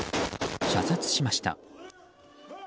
射殺しました。